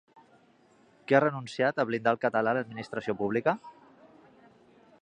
Qui ha renunciat a blindar el català a l'administració pública?